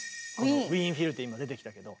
ウィーン・フィルって今出てきたけど。